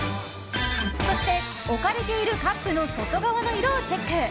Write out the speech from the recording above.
そして、置かれているカップの外側の色をチェック！